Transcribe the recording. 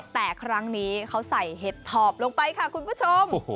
แต่ครั้งนี้เขาใส่เห็ดถอบลงไปค่ะคุณผู้ชม